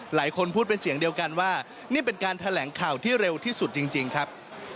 หลายคนพูดเป็นเสียงเดียวกันว่านี่เป็นการแถลงข่าวที่เร็วที่สุดจริงครับ